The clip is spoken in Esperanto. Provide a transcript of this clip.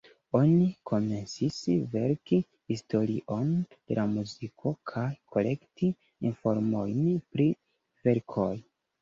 Oni komencis verki historion de la muziko kaj kolekti informojn pri verkoj.